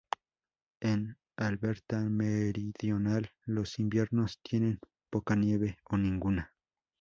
En Alberta meridional, los inviernos tienen poca nieve o ninguna.